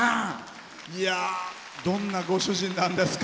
どんなご主人なんですか？